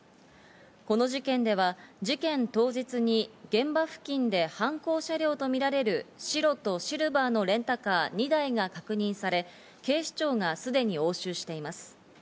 この事件では事件当日に現場付近で犯行車両とみられる、白とシルバーのレンタカー２台が確認され、警視庁がすでに押収しています。